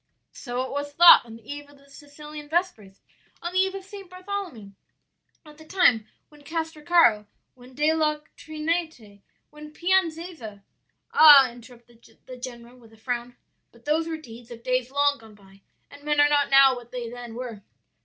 '" "'So it was thought on the eve of the Sicilian Vespers; on the eve of St. Bartholomew; at the time when Castracaro, when De La Trinite, when Pianeza ' "'Ah,' interrupted the general with a frown, 'but those were deeds of days long gone by, and men are not now what they then were.'